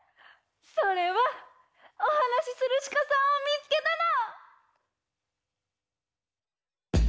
それはおはなしするしかさんをみつけたの！